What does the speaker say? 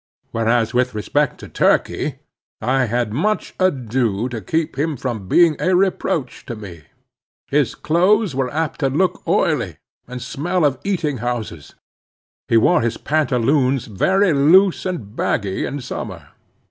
Whereas with respect to Turkey, I had much ado to keep him from being a reproach to me. His clothes were apt to look oily and smell of eating houses. He wore his pantaloons very loose and baggy in summer.